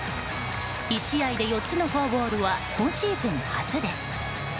１試合で４つのフォアボールは今シーズン初です。